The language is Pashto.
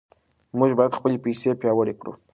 موږ باید خپلې پیسې پیاوړې کړو.